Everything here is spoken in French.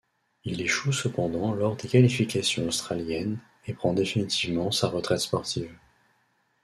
Il échoue cependant lors des qualifications australiennes et prend définitivement sa retraite sportive.